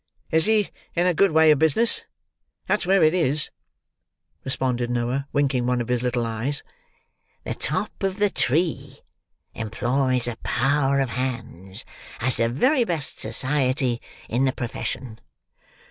"Is he in a good way of business; that's where it is!" responded Noah, winking one of his little eyes. "The top of the tree; employs a power of hands; has the very best society in the profession."